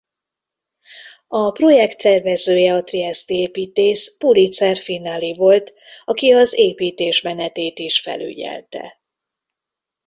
A projekt tervezője a trieszti építész Pulitzer-Finali volt aki az építés menetét is felügyelte.